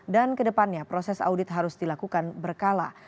dan ke depannya proses audit harus dilakukan berkala